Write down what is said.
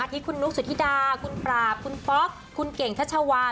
ที่คุณนุ๊กสุธิดาคุณปราบคุณป๊อกคุณเก่งทัชวา